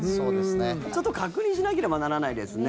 ちょっと確認しなければならないですね。